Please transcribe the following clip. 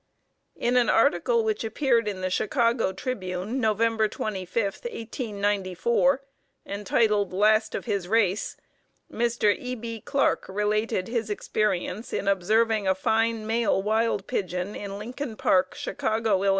In an article which appeared in the Chicago Tribune Nov. 25, 1894, entitled "Last of His Race," Mr. E. B. Clark related his experience in observing a fine male wild pigeon in Lincoln Park, Chicago, Ill.